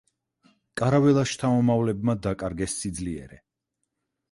კარაველას შთამომავლებმა დაკარგეს სიძლიერე.